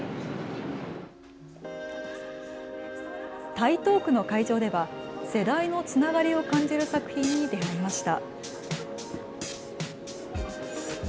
台東区の会場では世代のつながりを感じる作品に出会いました。